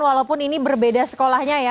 walaupun ini berbeda sekolahnya ya